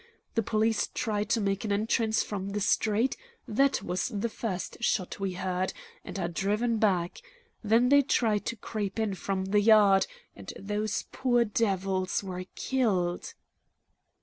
The police try to make an entrance from the street that was the first shot we heard and are driven back; then they try to creep in from the yard, and those poor devils were killed."